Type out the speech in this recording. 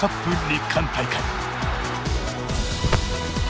日韓大会。